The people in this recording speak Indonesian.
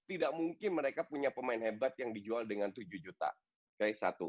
tidak mungkin mereka punya pemain hebat yang dijual dengan tujuh juta ke satu